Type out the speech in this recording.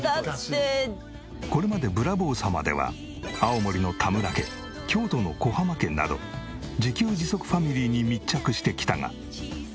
これまで『ブラボー様』では青森の田村家京都の小濱家など自給自足ファミリーに密着してきたが。